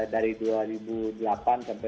dari dua ribu delapan sampai dua ribu empat belas